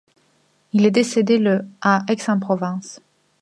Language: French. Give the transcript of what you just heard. Il est décédé le à Aix-en-Provence.